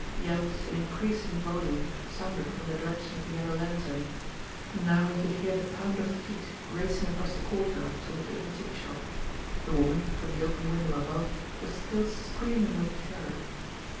Yells in increasing volume sounded from the direction of "The Yellow Lantern"; and now he could hear the pound of feet racing across the courtyard toward the antique shop. The woman, from the open window above, was still screaming with terror.